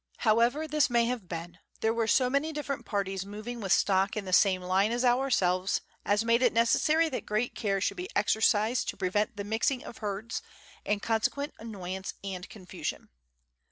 However this may have been, there were so many different parties moving with stock in the same line as ourselves as made it necessary that great Letters from Victorian Pioneers. 211 care should be exercised to prevent the mixing of herds, and con sequent annoyance and confusion.